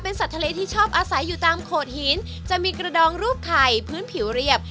สัตว์ทะเลที่ชอบอาศัยอยู่ตามโขดหินจะมีกระดองรูปไข่พื้นผิวเรียบ